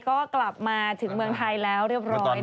ก็กลับมาถึงเมืองไทยแล้วเรียบร้อย